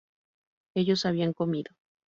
Ellos habían comido